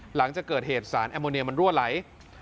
หลังจากเกิดเหตุสารแอมโมเนียมันรั่วไหล